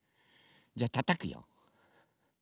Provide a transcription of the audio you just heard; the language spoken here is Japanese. じゃあたたくよ。